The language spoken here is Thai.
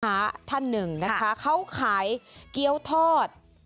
บึ๊กทางหาท่านต้านหนึ่งเขาขายเกี้ยวทอด